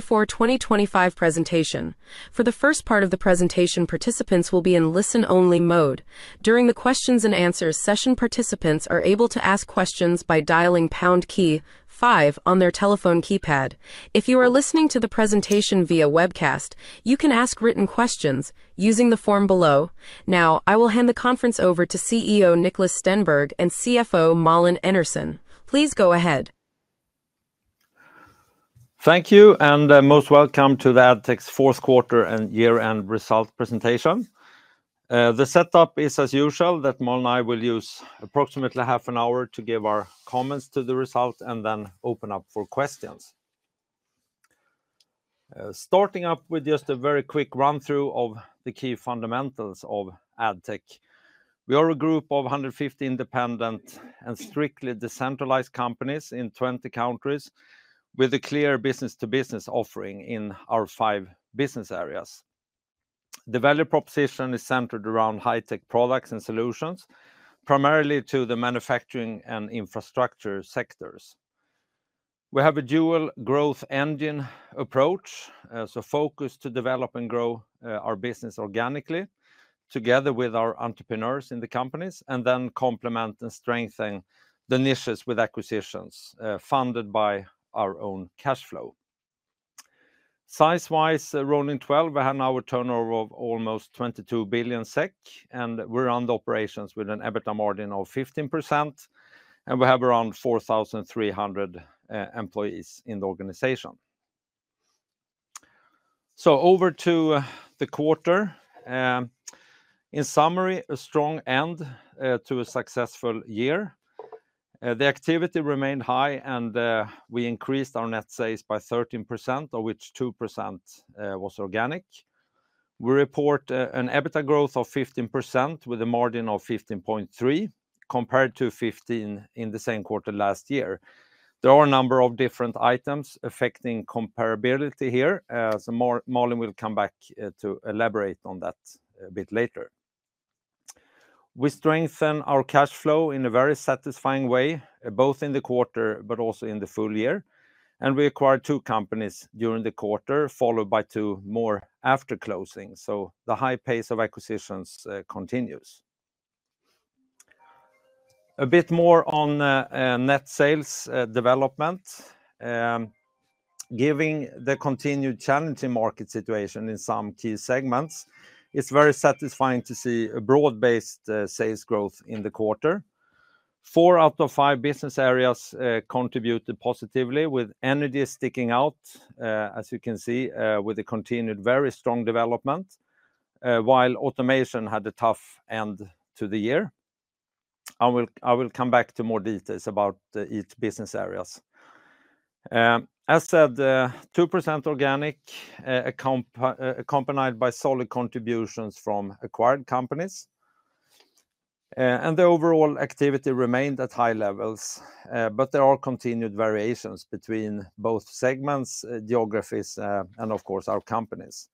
2024-2025 presentation. For the first part of the presentation, participants will be in listen-only mode. During the Q&A session, participants are able to ask questions by dialing pound key 5 on their telephone keypad. If you are listening to the presentation via webcast, you can ask written questions using the form below. Now, I will hand the conference over to CEO Niklas Stenberg and CFO Malin Enarson. Please go ahead. Thank you, and most welcome to Addtech's Fourth Quarter And Year-End result Presentation. The setup is as usual, that Malin and I will use approximately half an hour to give our comments to the result and then open up for questions. Starting up with just a very quick run-through of the key fundamentals of Addtech. We are a group of 150 independent and strictly decentralized companies in 20 countries, with a clear business-to-business offering in our five business areas. The value proposition is centered around high-tech products and solutions, primarily to the manufacturing and infrastructure sectors. We have a dual growth engine approach, so focus to develop and grow our business organically together with our entrepreneurs in the companies, and then complement and strengthen the niches with acquisitions funded by our own cash flow. Size-wise, rolling 12, we have now a turnover of almost 22 billion SEK, and we're under operations with an EBITDA margin of 15%, and we have around 4,300 employees in the organization. Over to the quarter. In summary, a strong end to a successful year. The activity remained high, and we increased our net sales by 13%, of which 2% was organic. We report an EBITDA growth of 15% with a margin of 15.3%, compared to 15% in the same quarter last year. There are a number of different items affecting comparability here, so Malin will come back to elaborate on that a bit later. We strengthen our cash flow in a very satisfying way, both in the quarter but also in the full year, and we acquired two companies during the quarter, followed by two more after closing, so the high pace of acquisitions continues. A bit more on net sales development. Given the continued challenging market situation in some key segments, it's very satisfying to see a broad-based sales growth in the quarter. Four out of five business areas contributed positively, with Energy sticking out, as you can see, with the continued very strong development, while Automation had a tough end to the year. I will come back to more details about each business area. As said, 2% organic, accompanied by solid contributions from acquired companies. The overall activity remained at high levels, but there are continued variations between both segments, geographies, and of course our companies.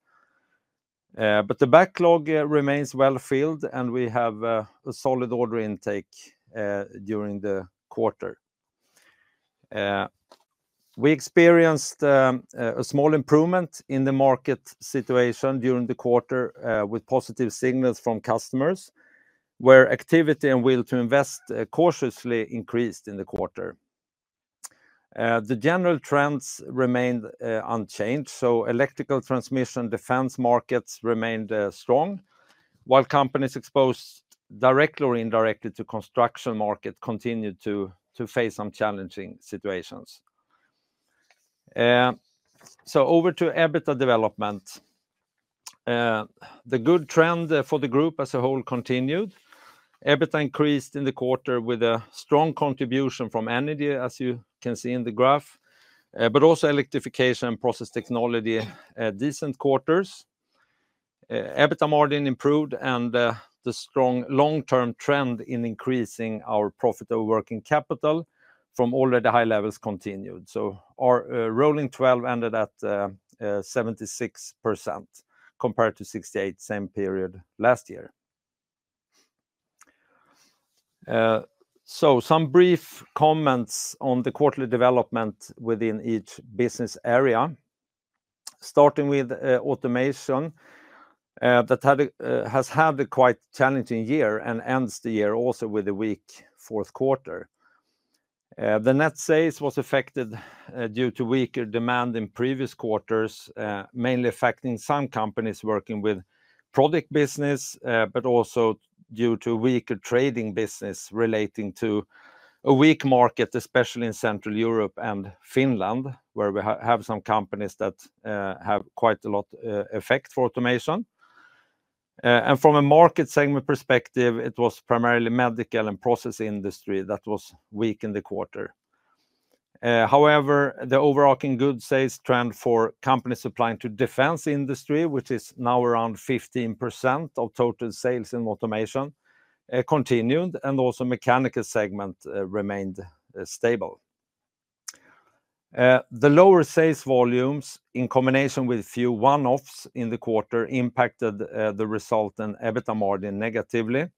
The backlog remains well filled, and we have a solid order intake during the quarter. We experienced a small improvement in the market situation during the quarter, with positive signals from customers, where activity and will to invest cautiously increased in the quarter. The general trends remained unchanged, so electrical transmission defense markets remained strong, while companies exposed directly or indirectly to the construction market continued to face some challenging situations. Over to EBITDA development. The good trend for the group as a whole continued. EBITDA increased in the quarter with a strong contribution from Energy, as you can see in the graph, but also Electrification and Process Technology had decent quarters. EBITDA margin improved, and the strong long-term trend in increasing our profit over working capital from already high levels continued. Our rolling 12 ended at 76% compared to 68% same period last year. Some brief comments on the quarterly development within each business area. Starting with automation, that has had a quite challenging year and ends the year also with a weak fourth quarter. The net sales was affected due to weaker demand in previous quarters, mainly affecting some companies working with product business, but also due to weaker trading business relating to a weak market, especially in Central Europe and Finland, where we have some companies that have quite a lot of effect for automation. From a market segment perspective, it was primarily medical and process industry that was weak in the quarter. However, the overarching goods sales trend for companies supplying to the defense industry, which is now around 15% of total sales in automation, continued, and also the mechanical segment remained stable. The lower sales volumes, in combination with few one-offs in the quarter, impacted the result and EBITDA margin negatively.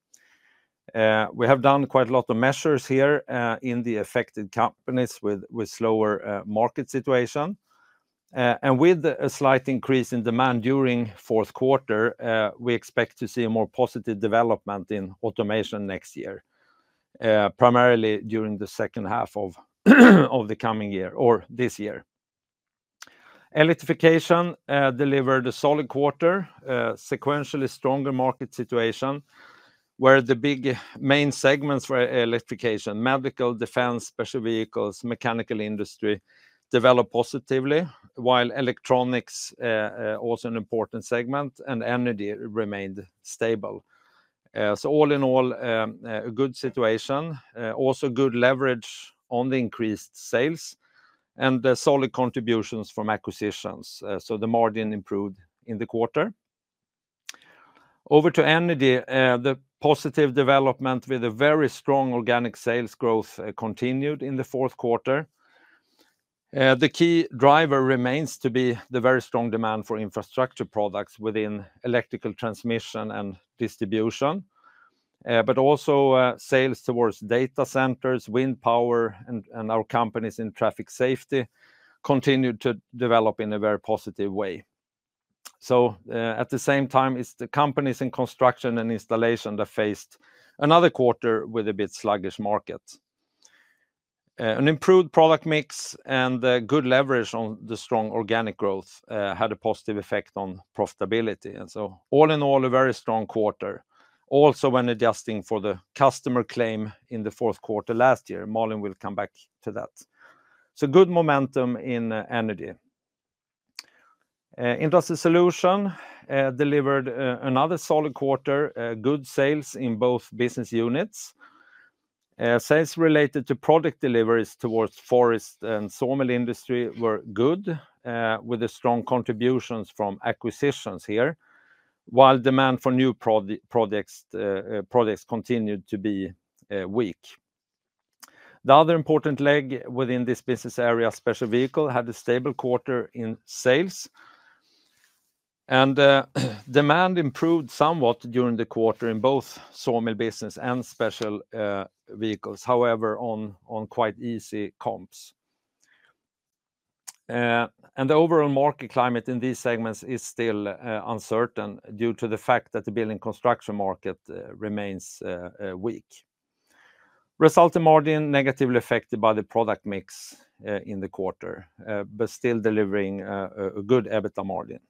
We have done quite a lot of measures here in the affected companies with a slower market situation. With a slight increase in demand during the fourth quarter, we expect to see a more positive development in automation next year, primarily during the second half of the coming year or this year. Electrification delivered a solid quarter, sequentially stronger market situation, where the big main segments were electrification, medical, defense, special vehicles, mechanical industry developed positively, while electronics was an important segment, and energy remained stable. All in all, a good situation, also good leverage on the increased sales, and solid contributions from acquisitions, so the margin improved in the quarter. Over to energy, the positive development with a very strong organic sales growth continued in the fourth quarter. The key driver remains to be the very strong demand for infrastructure products within electrical transmission and distribution, but also sales towards data centers, wind power, and our companies in traffic safety continued to develop in a very positive way. At the same time, it's the companies in construction and installation that faced another quarter with a bit sluggish market. An improved product mix and good leverage on the strong organic growth had a positive effect on profitability. All in all, a very strong quarter, also when adjusting for the customer claim in the fourth quarter last year. Malin will come back to that. Good momentum in energy. Industry solution delivered another solid quarter, good sales in both business units. Sales related to product deliveries towards forest and sawmill industry were good, with strong contributions from acquisitions here, while demand for new products continued to be weak. The other important leg within this business area, special vehicle, had a stable quarter in sales, and demand improved somewhat during the quarter in both sawmill business and special vehicles, however, on quite easy comps. The overall market climate in these segments is still uncertain due to the fact that the building construction market remains weak. Resulting margin negatively affected by the product mix in the quarter, but still delivering a good EBITDA margin.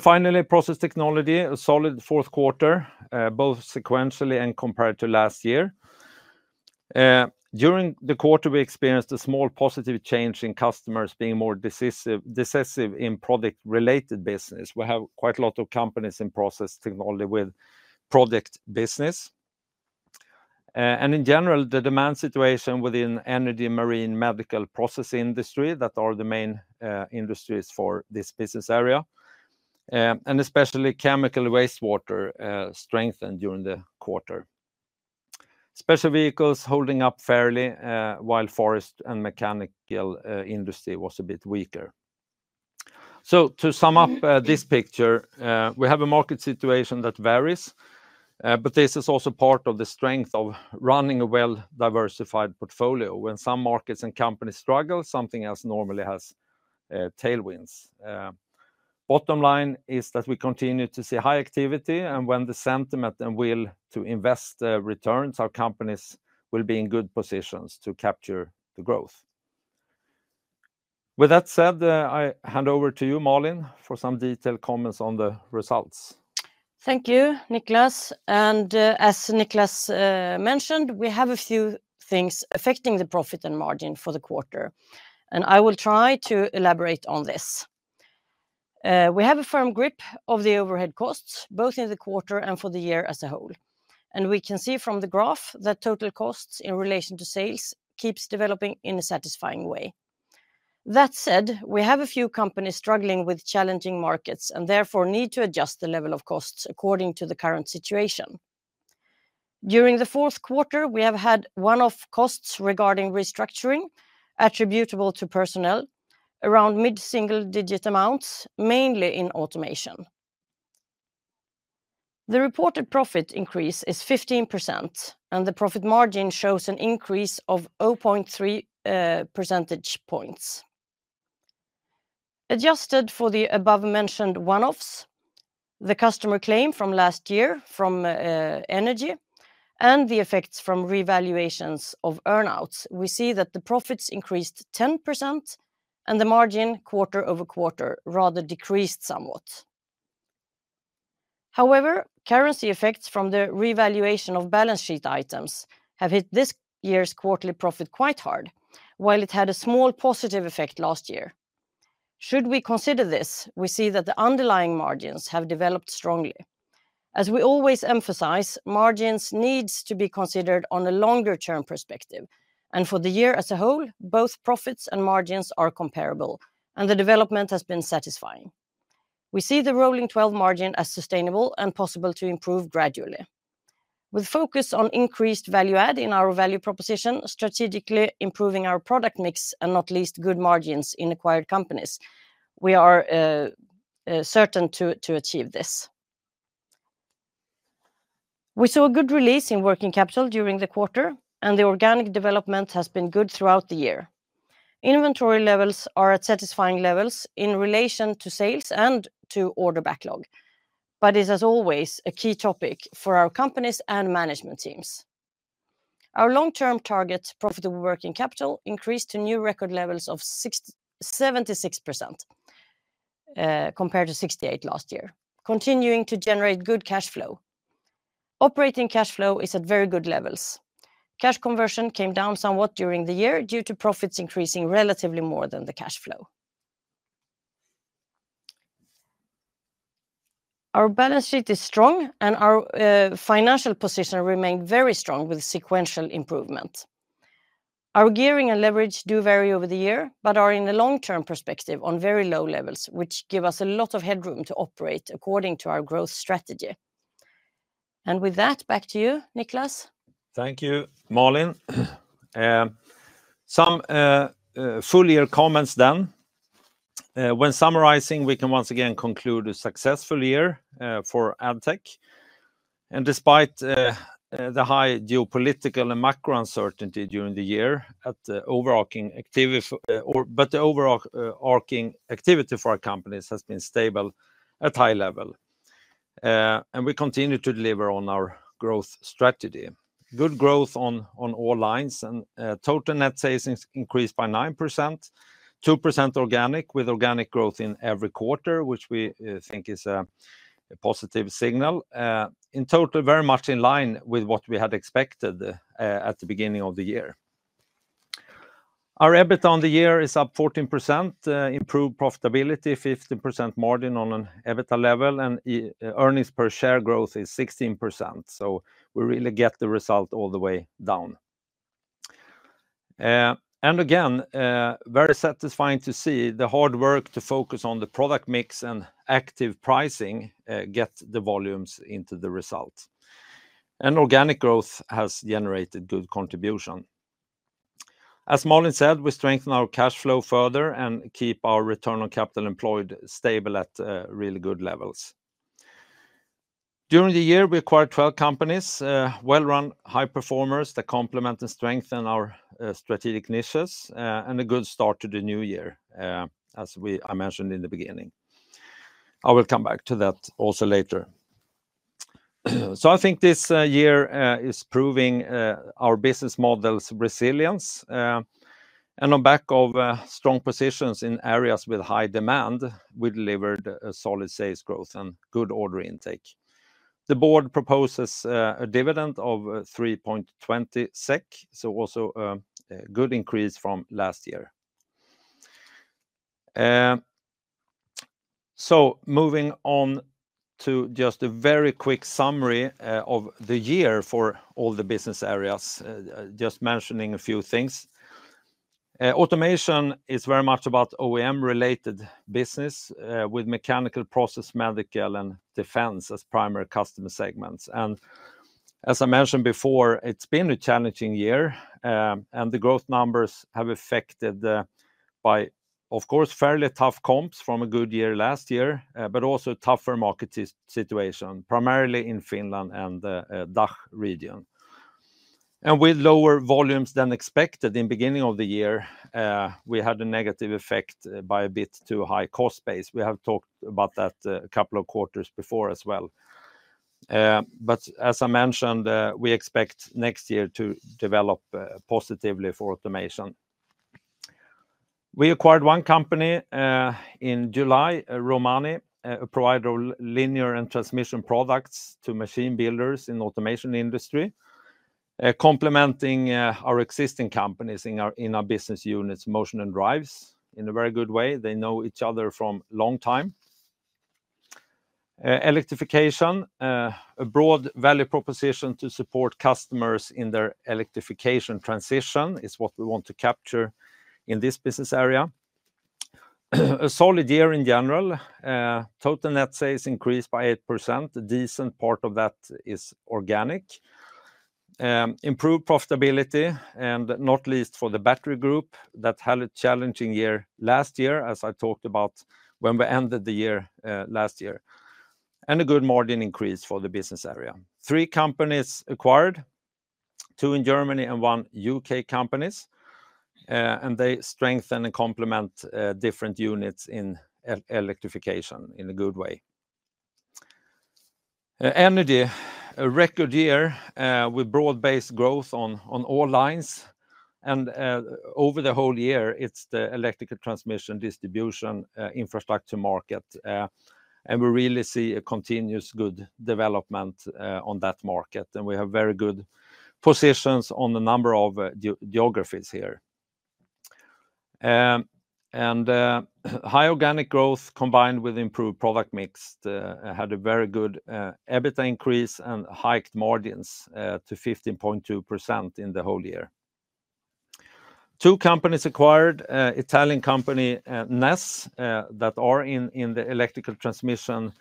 Finally, process technology, a solid fourth quarter, both sequentially and compared to last year. During the quarter, we experienced a small positive change in customers being more decisive in product-related business. We have quite a lot of companies in process technology with product business. In general, the demand situation within energy, marine, medical, process industry, that are the main industries for this business area, and especially chemical wastewater strengthened during the quarter. Special vehicles holding up fairly, while forest and mechanical industry was a bit weaker. To sum up this picture, we have a market situation that varies, but this is also part of the strength of running a well-diversified portfolio. When some markets and companies struggle, something else normally has tailwinds. Bottom line is that we continue to see high activity, and when the sentiment and will to invest returns, our companies will be in good positions to capture the growth. With that said, I hand over to you, Malin, for some detailed comments on the results. Thank you, Niklas. As Niklas mentioned, we have a few things affecting the profit and margin for the quarter, and I will try to elaborate on this. We have a firm grip of the overhead costs, both in the quarter and for the year as a whole. We can see from the graph that total costs in relation to sales keep developing in a satisfying way. That said, we have a few companies struggling with challenging markets and therefore need to adjust the level of costs according to the current situation. During the fourth quarter, we have had one-off costs regarding restructuring attributable to personnel, around mid-single-digit amounts, mainly in Automation. The reported profit increase is 15%, and the profit margin shows an increase of 0.3 percentage points. Adjusted for the above-mentioned one-offs, the customer claim from last year from Energy and the effects from revaluations of earn-outs, we see that the profits increased 10%, and the margin quarter-over-quarter rather decreased somewhat. However, currency effects from the revaluation of balance sheet items have hit this year's quarterly profit quite hard, while it had a small positive effect last year. Should we consider this, we see that the underlying margins have developed strongly. As we always emphasize, margins need to be considered on a longer-term perspective, and for the year as a whole, both profits and margins are comparable, and the development has been satisfying. We see the rolling 12 margin as sustainable and possible to improve gradually. With focus on increased value add in our value proposition, strategically improving our product mix, and not least good margins in acquired companies, we are certain to achieve this. We saw a good release in working capital during the quarter, and the organic development has been good throughout the year. Inventory levels are at satisfying levels in relation to sales and to order backlog, but it is, as always, a key topic for our companies and management teams. Our long-term target profitable working capital increased to new record levels of 76% compared to 68% last year, continuing to generate good cash flow. Operating cash flow is at very good levels. Cash conversion came down somewhat during the year due to profits increasing relatively more than the cash flow. Our balance sheet is strong, and our financial position remained very strong with sequential improvement. Our gearing and leverage do vary over the year, but are in the long-term perspective on very low levels, which give us a lot of headroom to operate according to our growth strategy. With that, back to you, Niklas. Thank you, Malin. Some full year comments then. When summarizing, we can once again conclude a successful year for Addtech. Despite the high geopolitical and macro uncertainty during the year, the overarching activity for our companies has been stable at a high level. We continue to deliver on our growth strategy. Good growth on all lines, and total net sales increased by 9%, 2% organic with organic growth in every quarter, which we think is a positive signal. In total, very much in line with what we had expected at the beginning of the year. Our EBITDA on the year is up 14%, improved profitability, 15% margin on an EBITDA level, and earnings-per-share growth is 16%. We really get the result all the way down. Again, very satisfying to see the hard work to focus on the product mix and active pricing get the volumes into the result. Organic growth has generated good contribution. As Malin said, we strengthen our cash flow further and keep our return on capital employed stable at really good levels. During the year, we acquired 12 companies, well-run, high performers that complement and strengthen our strategic niches, and a good start to the new year, as I mentioned in the beginning. I will come back to that also later. I think this year is proving our business model's resilience. On back of strong positions in areas with high demand, we delivered solid sales growth and good order intake. The board proposes a dividend of 3.20 SEK, also a good increase from last year. Moving on to just a very quick summary of the year for all the business areas, just mentioning a few things. Automation is very much about OEM-related business with mechanical, process, medical, and defense as primary customer segments. As I mentioned before, it's been a challenging year, and the growth numbers have been affected by, of course, fairly tough comps from a good year last year, but also a tougher market situation, primarily in Finland and the DACH region. With lower volumes than expected in the beginning of the year, we had a negative effect by a bit too high cost base. We have talked about that a couple of quarters before as well. As I mentioned, we expect next year to develop positively for automation. We acquired one company in July, Romani, a provider of linear and transmission products to machine builders in the automation industry, complementing our existing companies in our business units, motion and drives, in a very good way. They know each other from a long time. Electrification, a broad value proposition to support customers in their electrification transition, is what we want to capture in this business area. A solid year in general. Total net sales increased by 8%. A decent part of that is organic. Improved profitability, and not least for the battery group, that had a challenging year last year, as I talked about when we ended the year last year. A good margin increase for the business area. Three companies acquired, two in Germany and one U.K. companies, and they strengthen and complement different units in electrification in a good way. Energy, a record year with broad-based growth on all lines. Over the whole year, it is the electrical transmission distribution infrastructure market. We really see a continuous good development on that market. We have very good positions on a number of geographies here. High organic growth combined with improved product mix had a very good EBITDA increase and hiked margins to 15.2% in the whole year. Two companies acquired, Italian company NES, that are in the electrical transmission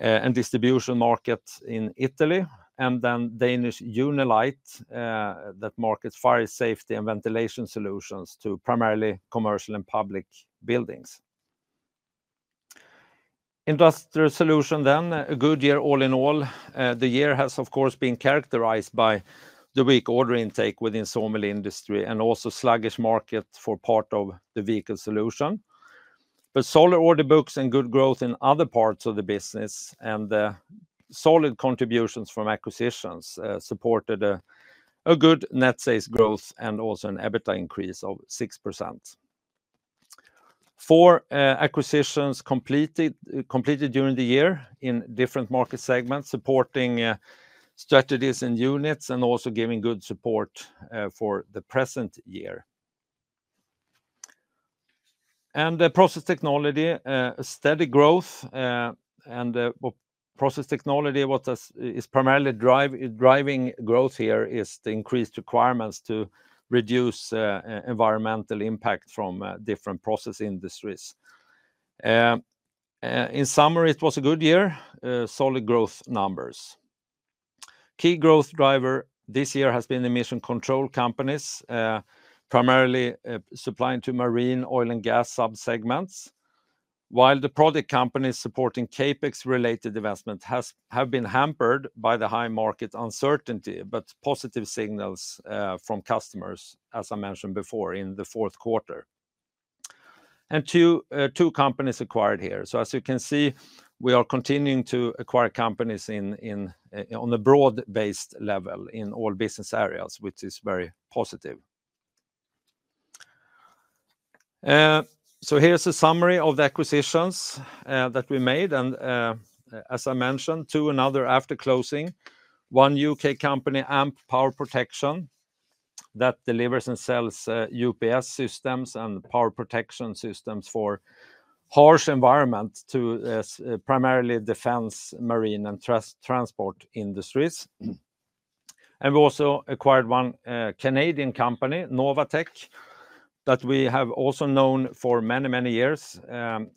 and distribution market in Italy, and then Danish Unilite that markets fire safety and ventilation solutions to primarily commercial and public buildings. Industrial solution then, a good year all in all. The year has, of course, been characterized by the weak order intake within sawmill industry and also sluggish market for part of the vehicle solution. Solid order books and good growth in other parts of the business and solid contributions from acquisitions supported a good net sales growth and also an EBITDA increase of 6%. Four acquisitions completed during the year in different market segments, supporting strategies and units and also giving good support for the present year. In process technology, steady growth. In process technology, what is primarily driving growth here is the increased requirements to reduce environmental impact from different process industries. In summary, it was a good year, solid growth numbers. Key growth driver this year has been emission control companies, primarily supplying to marine, oil, and gas sub-segments. While the product companies supporting CapEx-related investment have been hampered by the high market uncertainty, positive signals from customers, as I mentioned before, in the fourth quarter. Two companies acquired here. As you can see, we are continuing to acquire companies on a broad-based level in all business areas, which is very positive. Here is a summary of the acquisitions that we made. As I mentioned, two and other after closing. One U.K. company, AMP Power Protection, that delivers and sells UPS systems and power protection systems for harsh environments to primarily defense, marine, and transport industries. We also acquired one Canadian company, Novatech, that we have also known for many, many years and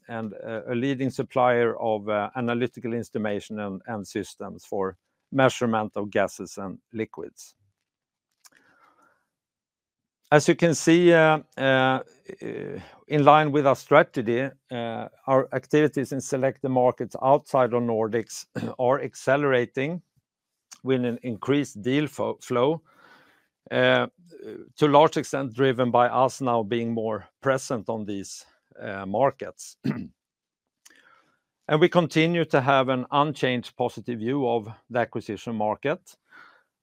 a leading supplier of analytical information and systems for measurement of gases and liquids. As you can see, in line with our strategy, our activities in selected markets outside of Nordics are accelerating with an increased deal flow, to a large extent driven by us now being more present on these markets. We continue to have an unchanged positive view of the acquisition market.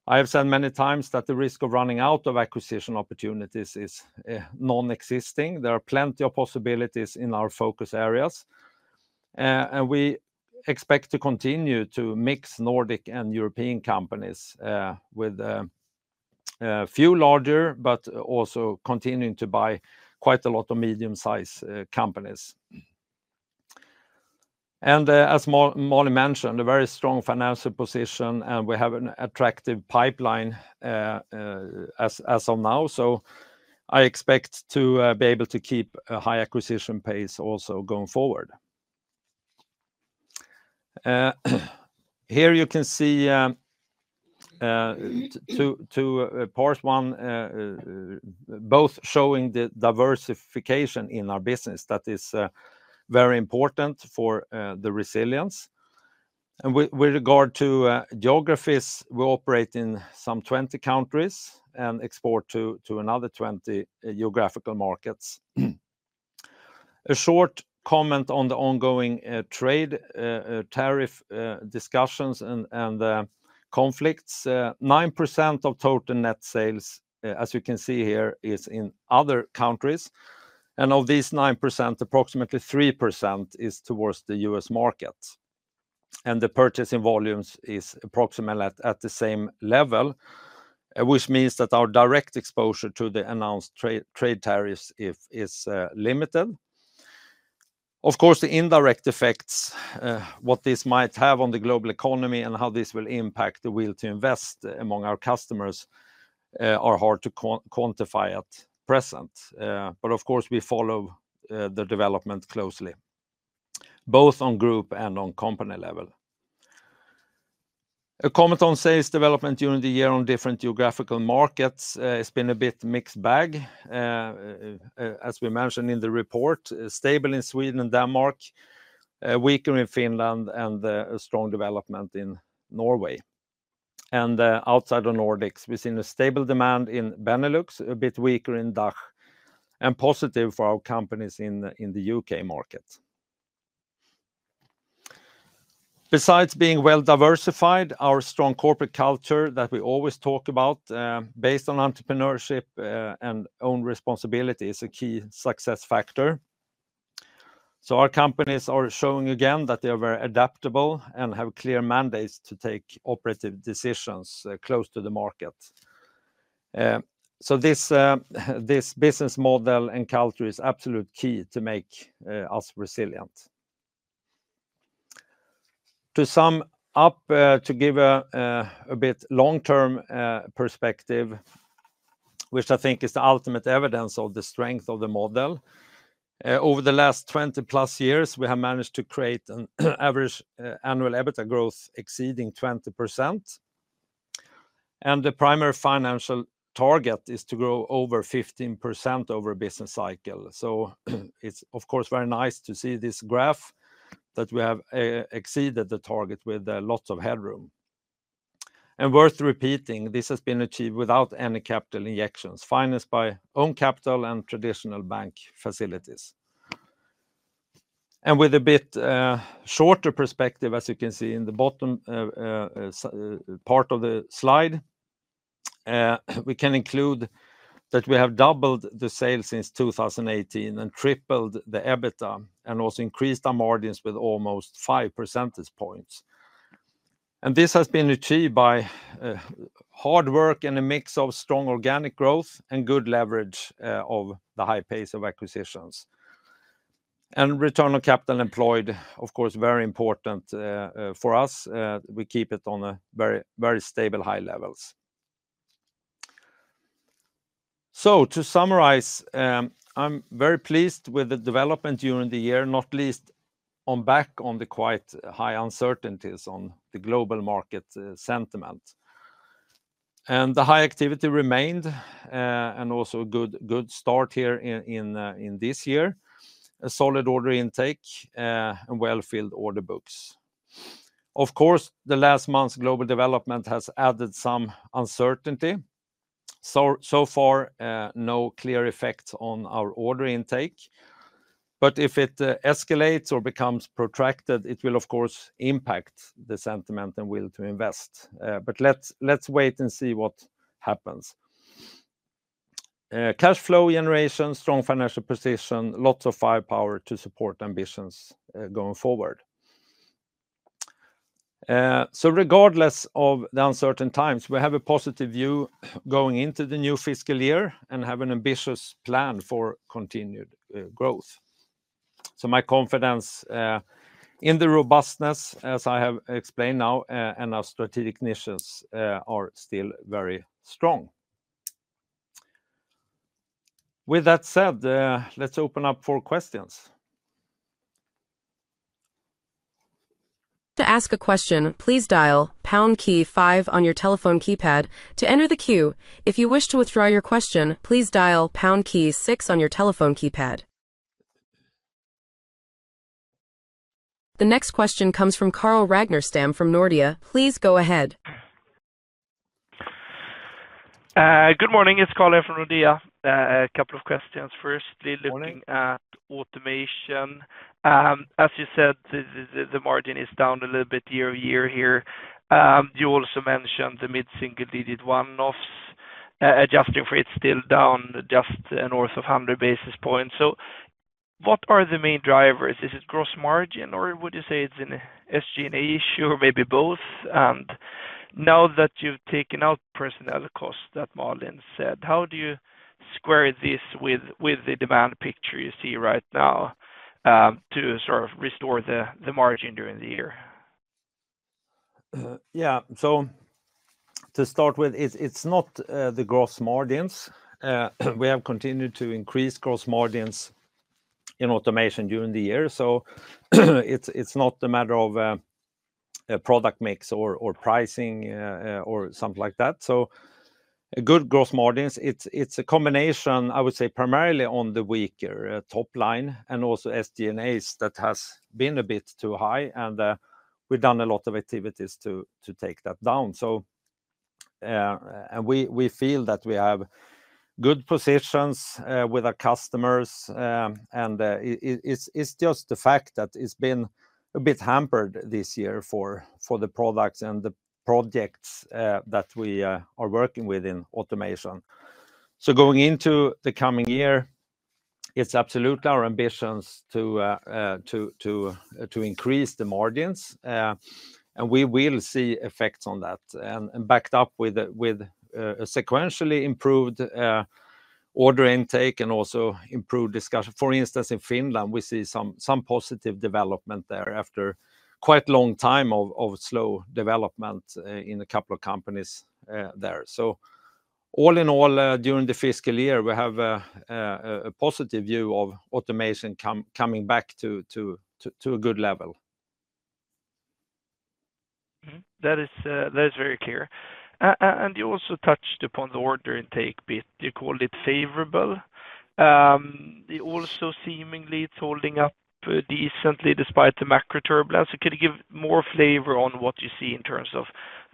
I have said many times that the risk of running out of acquisition opportunities is non-existing. There are plenty of possibilities in our focus areas. We expect to continue to mix Nordic and European companies with a few larger, but also continuing to buy quite a lot of medium-sized companies. As Malin mentioned, a very strong financial position, and we have an attractive pipeline as of now. I expect to be able to keep a high acquisition pace also going forward. Here you can see two parts, one both showing the diversification in our business that is very important for the resilience. With regard to geographies, we operate in some 20 countries and export to another 20 geographical markets. A short comment on the ongoing trade tariff discussions and conflicts. 9% of total net sales, as you can see here, is in other countries. Of these 9%, approximately 3% is towards the US market. The purchasing volumes is approximately at the same level, which means that our direct exposure to the announced trade tariffs is limited. Of course, the indirect effects, what this might have on the global economy and how this will impact the will to invest among our customers are hard to quantify at present. Of course, we follow the development closely, both on group and on company level. A comment on sales development during the year on different geographical markets. It's been a bit mixed bag, as we mentioned in the report. Stable in Sweden and Denmark, weaker in Finland, and a strong development in Norway. Outside of Nordics, we've seen a stable demand in Benelux, a bit weaker in DACH, and positive for our companies in the U.K. markets. Besides being well diversified, our strong corporate culture that we always talk about, based on entrepreneurship and own responsibility, is a key success factor. Our companies are showing again that they are very adaptable and have clear mandates to take operative decisions close to the market. This business model and culture is absolute key to make us resilient. To sum up, to give a bit long-term perspective, which I think is the ultimate evidence of the strength of the model, over the last 20 plus years, we have managed to create an average annual EBITDA growth exceeding 20%. The primary financial target is to grow over 15% over a business cycle. It is, of course, very nice to see this graph that we have exceeded the target with lots of headroom. Worth repeating, this has been achieved without any capital injections, financed by own capital and traditional bank facilities. With a bit shorter perspective, as you can see in the bottom part of the slide, we can include that we have doubled the sales since 2018 and tripled the EBITDA and also increased our margins with almost 5 percentage points. This has been achieved by hard work and a mix of strong organic growth and good leverage of the high pace of acquisitions. Return on capital employed, of course, is very important for us. We keep it on very, very stable high levels. To summarize, I'm very pleased with the development during the year, not least on the quite high uncertainties on the global market sentiment. The high activity remained and also a good start here in this year, a solid order intake and well-filled order books. Of course, the last month's global development has added some uncertainty. So far, no clear effects on our order intake. If it escalates or becomes protracted, it will, of course, impact the sentiment and will to invest. Let's wait and see what happens. Cash flow generation, strong financial position, lots of firepower to support ambitions going forward. Regardless of the uncertain times, we have a positive view going into the new fiscal year and have an ambitious plan for continued growth. My confidence in the robustness, as I have explained now, and our strategic initiatives are still very strong. With that said, let's open up for questions. To ask a question, please dial pound key five on your telephone keypad to enter the queue. If you wish to withdraw your question, please dial pound key six on your telephone keypad. The next question comes from Carl RagnerStam from Nordea. Please go ahead. Good morning. It's Carl from Nordea. A couple of questions. Firstly, looking at automation, as you said, the margin is down a little bit year over year here. You also mentioned the mid-single digit one-offs. Adjusting for it, it's still down just north of 100 basis points. What are the main drivers? Is it gross margin, or would you say it's an SG&A issue, or maybe both? Now that you've taken out personnel costs that Malin said, how do you square this with the demand picture you see right now to sort of restore the margin during the year? Yeah. To start with, it's not the gross margins. We have continued to increase gross margins in automation during the year. It's not a matter of product mix or pricing or something like that. Good gross margins, it's a combination, I would say, primarily on the weaker top line and also SG&As that has been a bit too high. We've done a lot of activities to take that down. We feel that we have good positions with our customers. It's just the fact that it's been a bit hampered this year for the products and the projects that we are working with in automation. Going into the coming year, it's absolutely our ambitions to increase the margins. We will see effects on that, backed up with a sequentially improved order intake and also improved discussion. For instance, in Finland, we see some positive development there after quite a long time of slow development in a couple of companies there. All in all, during the fiscal year, we have a positive view of automation coming back to a good level. That is very clear. You also touched upon the order intake bit. You called it favorable. It also seemingly is holding up decently despite the macro turbulence. Could you give more flavor on what you see in terms of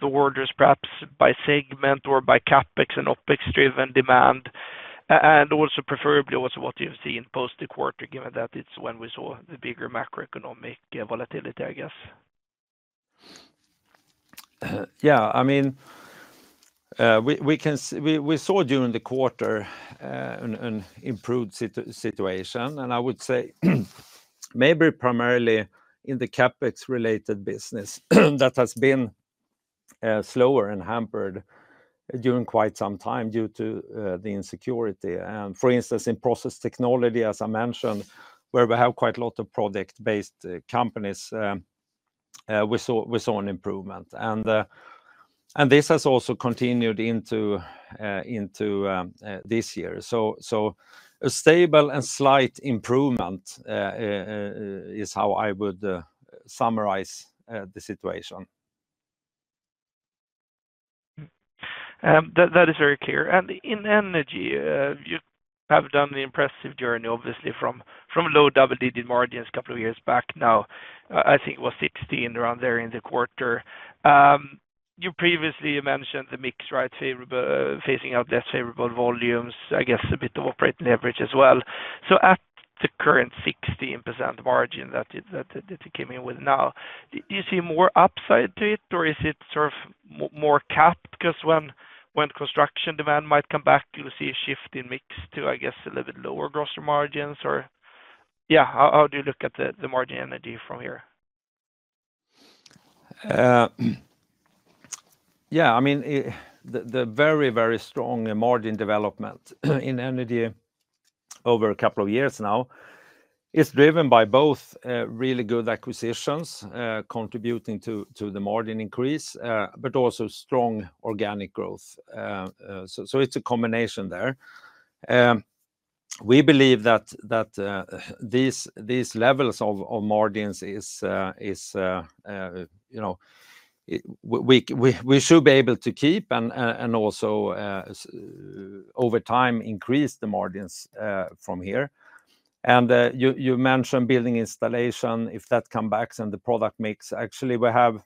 the orders, perhaps by segment or by CapEx and OpEx-driven demand? Also, preferably, what you've seen post the quarter, given that it's when we saw the bigger macroeconomic volatility, I guess. Yeah. I mean, we saw during the quarter an improved situation. I would say maybe primarily in the CapEx-related business that has been slower and hampered during quite some time due to the insecurity. For instance, in process technology, as I mentioned, where we have quite a lot of product-based companies, we saw an improvement. This has also continued into this year. A stable and slight improvement is how I would summarize the situation. That is very clear. In Energy, you have done an impressive journey, obviously, from low double-digit margins a couple of years back. Now, I think it was 16% around there in the quarter. You previously mentioned the mix facing out less favorable volumes, I guess a bit of operating leverage as well. At the current 16% margin that you came in with now, do you see more upside to it, or is it sort of more capped? Because when construction demand might come back, you will see a shift in mix to, I guess, a little bit lower gross margins. Or yeah, how do you look at the margin Energy from here? Yeah. I mean, the very, very strong margin development in Energy over a couple of years now is driven by both really good acquisitions contributing to the margin increase, but also strong organic growth. It is a combination there. We believe that these levels of margins we should be able to keep and also over time increase the margins from here. You mentioned building installation. If that comes back and the product mix, actually, we have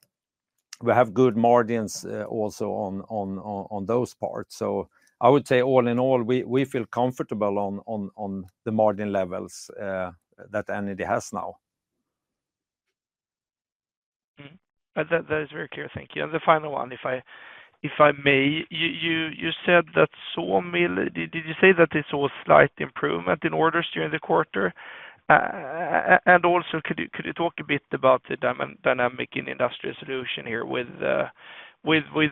good margins also on those parts. I would say all in all, we feel comfortable on the margin levels that Energy has now. That is very clear. Thank you. The final one, if I may, you said that sawmill, did you say that it saw a slight improvement in orders during the quarter? Could you talk a bit about the dynamic in industrial solution here with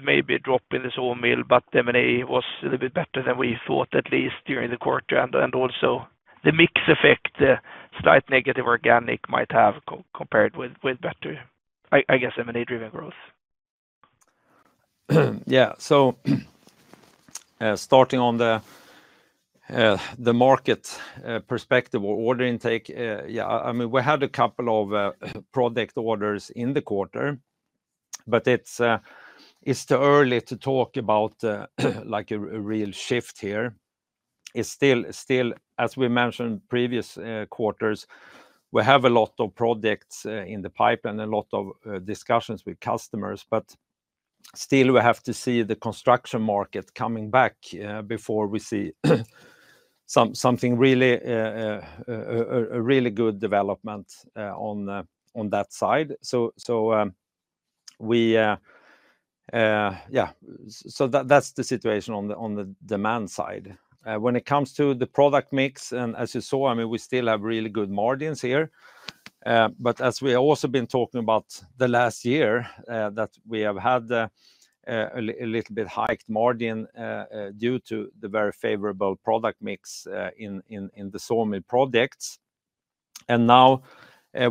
maybe a drop in the sawmill, but M&A was a little bit better than we thought, at least during the quarter? Also, the mix effect, slight negative organic might have compared with better, I guess, M&A-driven growth. Yeah. Starting on the market perspective or order intake, yeah, I mean, we had a couple of product orders in the quarter, but it's too early to talk about a real shift here. It's still, as we mentioned previous quarters, we have a lot of projects in the pipeline and a lot of discussions with customers. Still, we have to see the construction market coming back before we see something really good development on that side. Yeah, that's the situation on the demand side. When it comes to the product mix, and as you saw, I mean, we still have really good margins here. As we have also been talking about the last year, we have had a little bit hiked margin due to the very favorable product mix in the sawmill projects. Now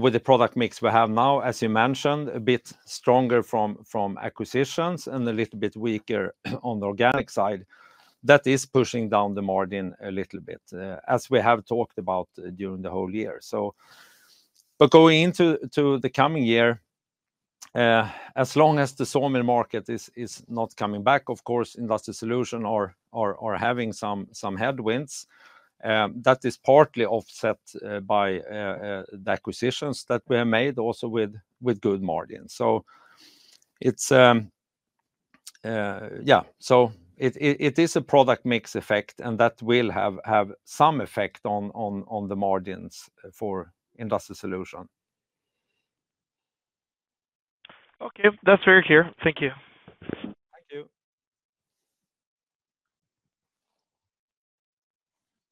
with the product mix we have now, as you mentioned, a bit stronger from acquisitions and a little bit weaker on the organic side, that is pushing down the margin a little bit, as we have talked about during the whole year. Going into the coming year, as long as the sawmill market is not coming back, of course, industrial solution are having some headwinds. That is partly offset by the acquisitions that we have made also with good margins. Yeah, it is a product mix effect, and that will have some effect on the margins for industrial solution. Okay. That's very clear. Thank you. Thank you.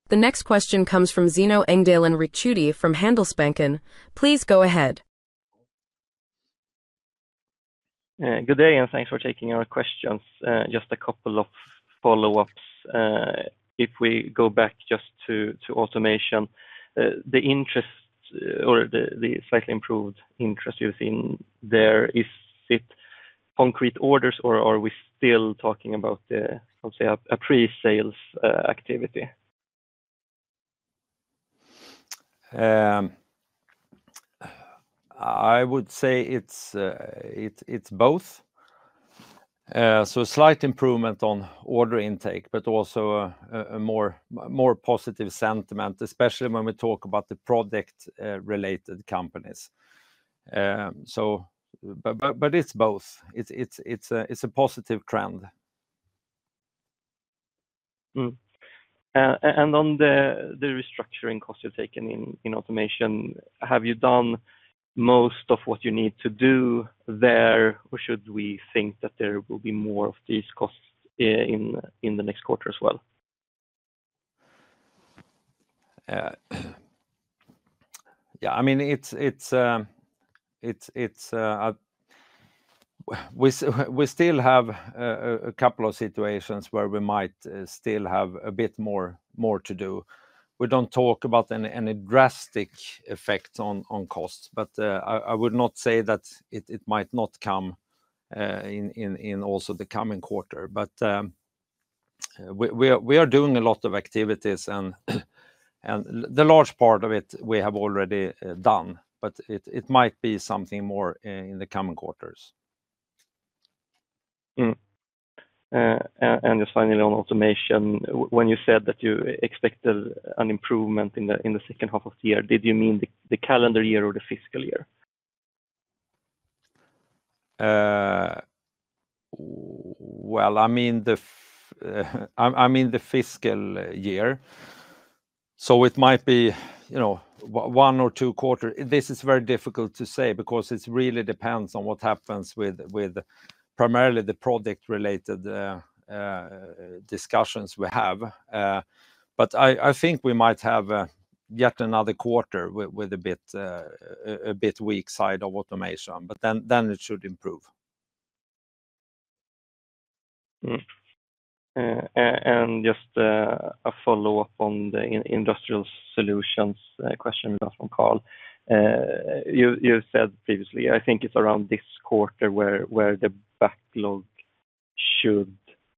The next question comes from Zeno Engdahl and Ricciuti from Handelsbanken. Please go ahead. Good day and thanks for taking our questions. Just a couple of follow-ups. If we go back just to automation, the interest or the slightly improved interest you've seen there, is it concrete orders, or are we still talking about, I would say, a pre-sales activity? I would say it's both. A slight improvement on order intake, but also a more positive sentiment, especially when we talk about the product-related companies. It's both. It's a positive trend. On the restructuring costs you've taken in Automation, have you done most of what you need to do there, or should we think that there will be more of these costs in the next quarter as well? Yeah. I mean, we still have a couple of situations where we might still have a bit more to do. We do not talk about any drastic effects on costs, but I would not say that it might not come in also the coming quarter. We are doing a lot of activities, and the large part of it we have already done, but it might be something more in the coming quarters. Just finally, on automation, when you said that you expected an improvement in the second half of the year, did you mean the calendar year or the fiscal year? I mean the fiscal year. So it might be one or two quarters. This is very difficult to say because it really depends on what happens with primarily the product-related discussions we have. But I think we might have yet another quarter with a bit weak side of automation, but then it should improve. Just a follow-up on the industrial solutions question we got from Carl. You said previously, I think it's around this quarter where the backlog should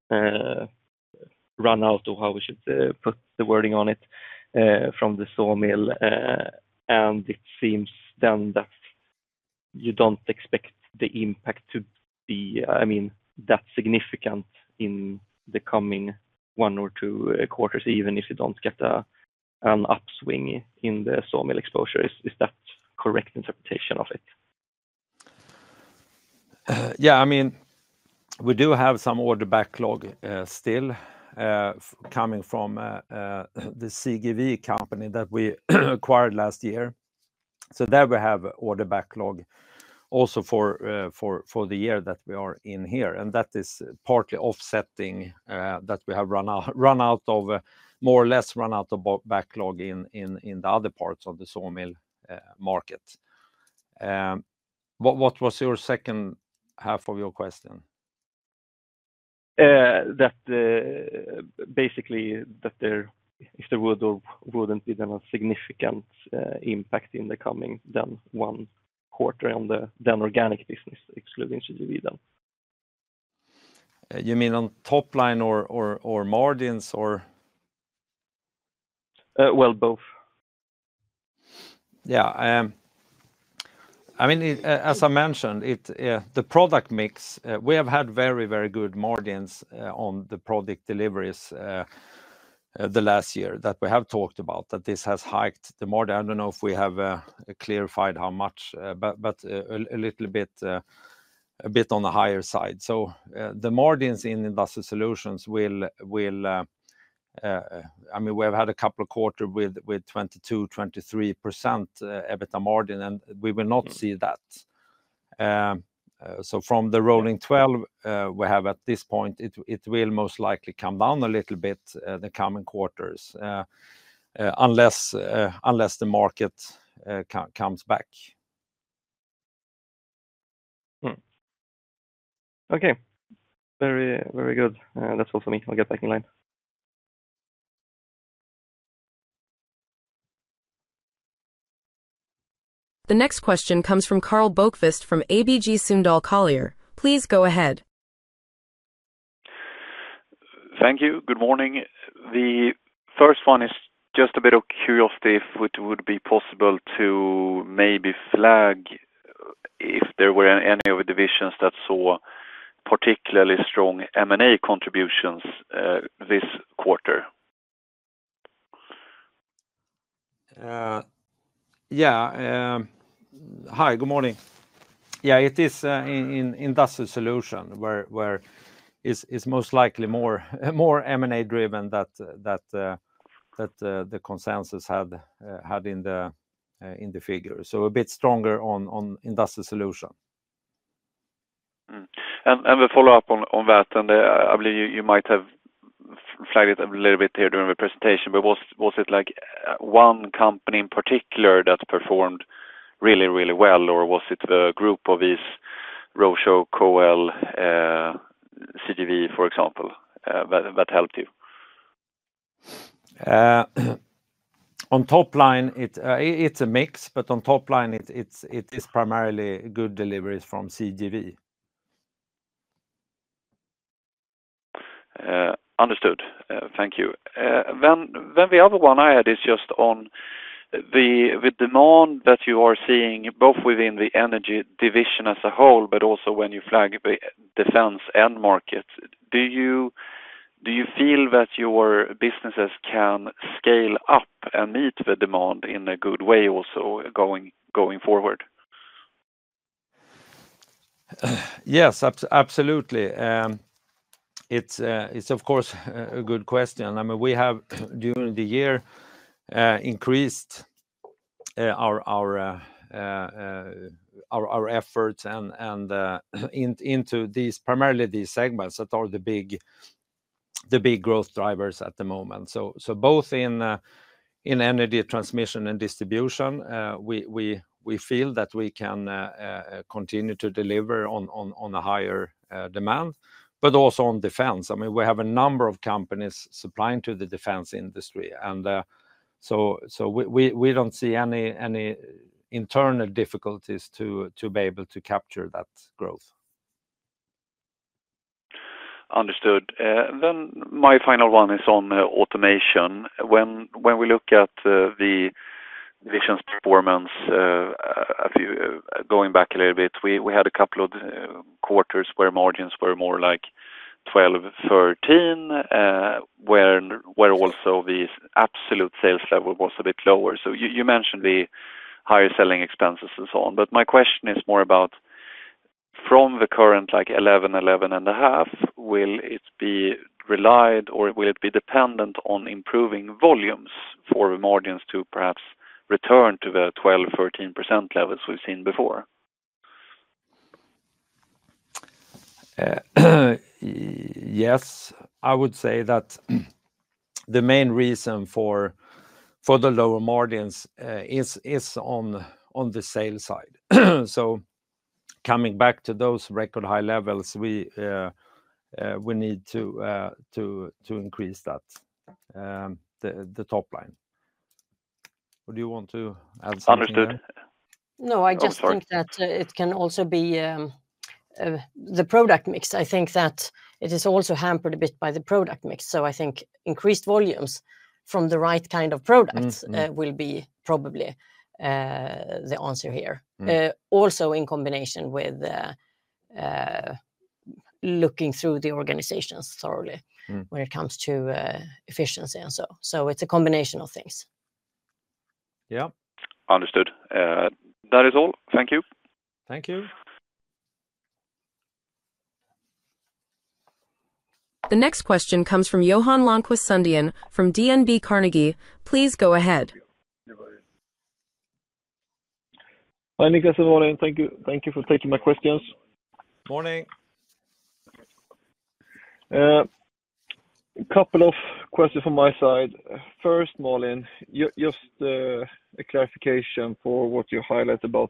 run out, or how we should put the wording on it, from the sawmill. It seems then that you don't expect the impact to be, I mean, that significant in the coming one or two quarters, even if you don't get an upswing in the sawmill exposure. Is that correct interpretation of it? Yeah. I mean, we do have some order backlog still coming from the CGV company that we acquired last year. There we have order backlog also for the year that we are in here. That is partly offsetting that we have more or less run out of backlog in the other parts of the sawmill market. What was your second half of your question? That basically that there would not be any significant impact in the coming one quarter on the organic business, excluding CGV? You mean on top line or margins or? Well, both. Yeah. I mean, as I mentioned, the product mix, we have had very, very good margins on the product deliveries the last year that we have talked about that this has hiked the margin. I do not know if we have clarified how much, but a little bit on the higher side. So the margins in industrial solutions will, I mean, we have had a couple of quarters with 22-23% EBITDA margin, and we will not see that. From the rolling 12, we have at this point, it will most likely come down a little bit in the coming quarters unless the market comes back. Okay. Very good. That's all for me. I'll get back in line. The next question comes from Karl Bokvist from ABG Sundal Collier. Please go ahead. Thank you. Good morning. The first one is just a bit of curiosity if it would be possible to maybe flag if there were any of the divisions that saw particularly strong M&A contributions this quarter? Yeah. Hi. Good morning. Yeah. It is industrial solution where it's most likely more M&A-driven that the consensus had in the figure. So a bit stronger on industrial solution. The follow-up on that, I believe you might have flagged it a little bit here during the presentation, but was it like one company in particular that performed really, really well, or was it the group of these Roche, COEL, CGV, for example, that helped you? On top line, it's a mix, but on top line, it is primarily good deliveries from CGV. Understood. Thank you. We have one other, just on the demand that you are seeing both within the Energy division as a whole, but also when you flag the defense end market. Do you feel that your businesses can scale up and meet the demand in a good way also going forward? Yes. Absolutely. It's, of course, a good question. I mean, we have during the year increased our efforts into primarily these segments that are the big growth drivers at the moment. Both in energy transmission and distribution, we feel that we can continue to deliver on a higher demand, but also on defense. I mean, we have a number of companies supplying to the defense industry. We do not see any internal difficulties to be able to capture that growth. Understood. Then my final one is on automation. When we look at the division's performance, going back a little bit, we had a couple of quarters where margins were more like 12, 13, where also the absolute sales level was a bit lower. You mentioned the higher selling expenses and so on. My question is more about from the current 11, 11.5, will it be relied or will it be dependent on improving volumes for the margins to perhaps return to the 12-13% levels we've seen before? Yes. I would say that the main reason for the lower margins is on the sale side. Coming back to those record high levels, we need to increase that, the top line. Malin you want to add something? Understood. No, I just think that it can also be the product mix. I think that it is also hampered a bit by the product mix. I think increased volumes from the right kind of products will be probably the answer here. Also in combination with looking through the organizations thoroughly when it comes to efficiency and so. It is a combination of things. Yeah. Understood. That is all. Thank you. Thank you. The next question comes from Johan Lönnqvist from DNB Carnegie. Please go ahead. Hi, Niklas and Malin. Thank you for taking my questions. Morning. A couple of questions from my side. First, Malin, just a clarification for what you highlighted about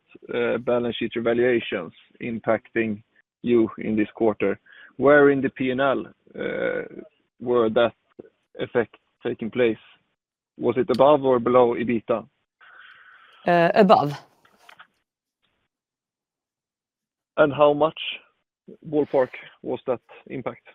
balance sheet revaluations impacting you in this quarter. Where in the P&L were that effect taking place? Was it above or below EBITDA? Above. How much ballpark was that impact?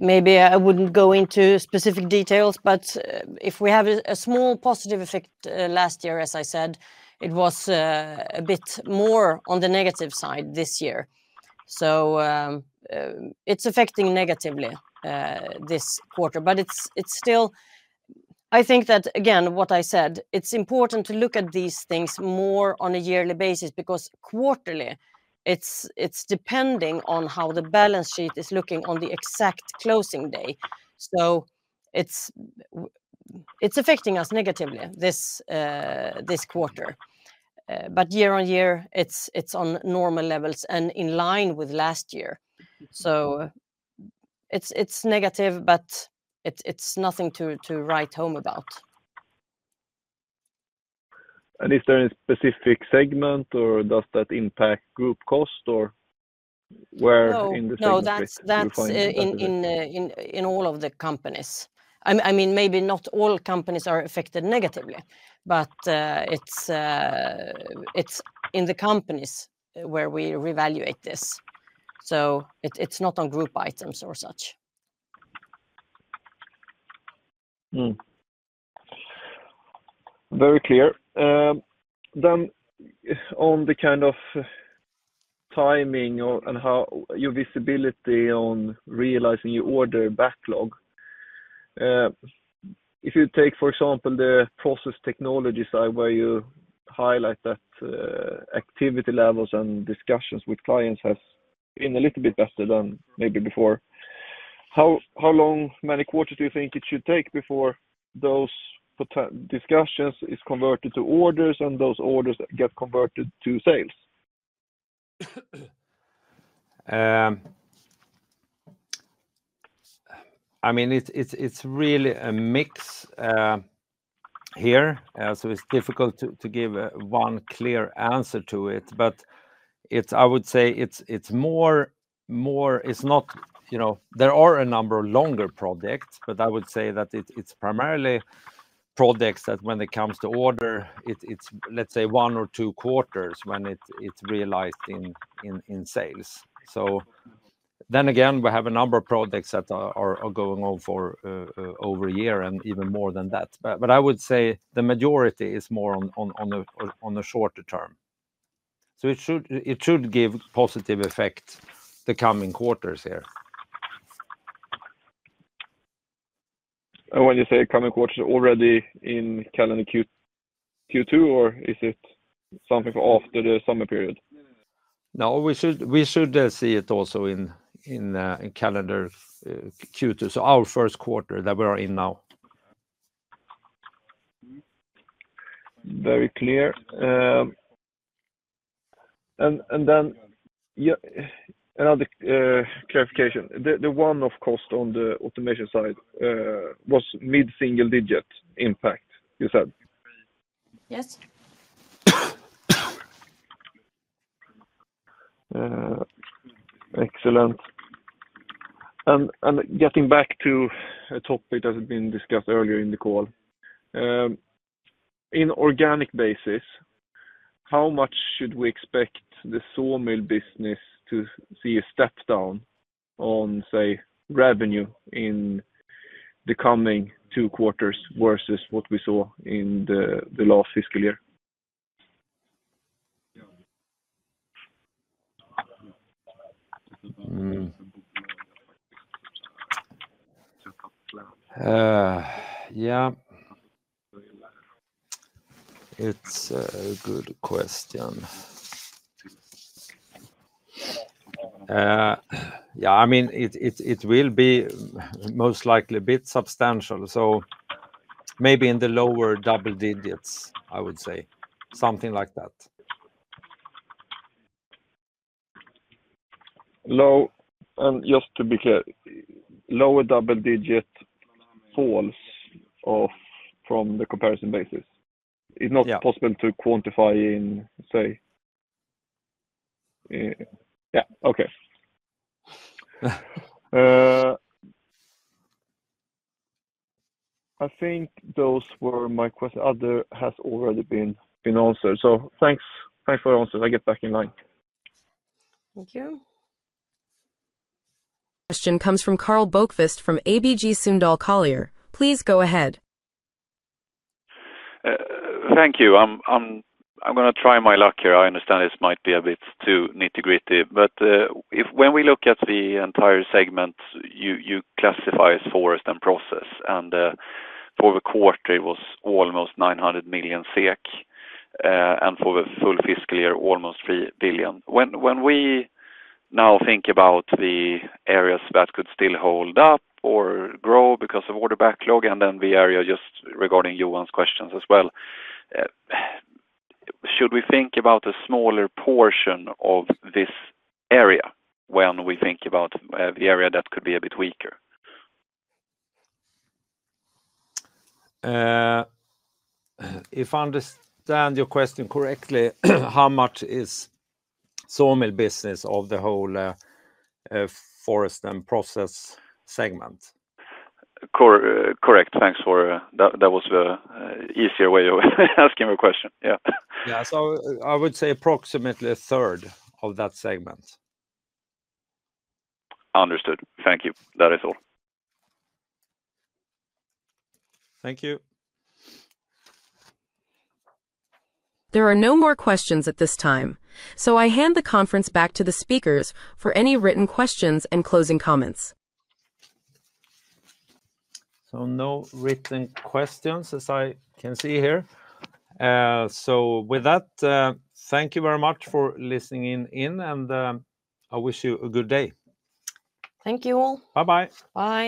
Maybe I would not go into specific details, but if we have a small positive effect last year, as I said, it was a bit more on the negative side this year. It is affecting negatively this quarter. I think that, again, what I said, it is important to look at these things more on a yearly basis because quarterly, it is depending on how the balance sheet is looking on the exact closing day. It is affecting us negatively this quarter. Year on year, it is on normal levels and in line with last year. It is negative, but it is nothing to write home about. Is there any specific segment, or does that impact group cost, or where in the segment would you find it? No, that's in all of the companies. I mean, maybe not all companies are affected negatively, but it's in the companies where we re-evaluate this. So it's not on group items or such. Very clear. On the kind of timing and your visibility on realizing your order backlog, if you take, for example, the process technology side where you highlight that activity levels and discussions with clients has been a little bit better than maybe before, how long, many quarters do you think it should take before those discussions are converted to orders and those orders get converted to sales? I mean, it's really a mix here. It's difficult to give one clear answer to it. I would say it's more, it's not, there are a number of longer projects, but I would say that it's primarily projects that, when it comes to order, it's, let's say, one or two quarters when it's realized in sales. Then again, we have a number of projects that are going on for over a year and even more than that. I would say the majority is more on a shorter term. It should give positive effect the coming quarters here. When you say coming quarters, already in calendar Q2, or is it something after the summer period? No, we should see it also in calendar Q2. So our first quarter that we are in now. Very clear. Then another clarification. The one-off cost on the automation side was mid-single digit impact, you said? Yes. Excellent. Getting back to a topic that has been discussed earlier in the call, on an organic basis, how much should we expect the sawmill business to see a step down on, say, revenue in the coming two quarters versus what we saw in the last fiscal year? Yeah. It's a good question. Yeah. I mean, it will be most likely a bit substantial. So maybe in the lower double digits, I would say. Something like that. Low. Just to be clear, lower double-digit falls from the comparison basis? It's not possible to quantify in, say? Yeah. Okay. I think those were my questions. Other has already been answered. Thanks for your answers. I'll get back in line. Thank you. Question comes from Carl Bokvist from ABG Sundal Collier. Please go ahead. Thank you. I'm going to try my luck here. I understand this might be a bit too nitty-gritty. When we look at the entire segment, you classify as forest and process. For the quarter, it was almost 900 million SEK, and for the full fiscal year, almost 3 billion. When we now think about the areas that could still hold up or grow because of order backlog, and then the area just regarding Johan's questions as well, should we think about a smaller portion of this area when we think about the area that could be a bit weaker? If I understand your question correctly, how much is sawmill business of the whole forest and process segment? Correct. Thanks for that. That was the easier way of asking your question. Yeah. Yeah. I would say approximately a 1/3 of that segment. Understood. Thank you. That is all. Thank you. There are no more questions at this time. I hand the conference back to the speakers for any written questions and closing comments. No written questions, as I can see here. With that, thank you very much for listening in, and I wish you a good day. Thank you all. Bye-bye. Bye.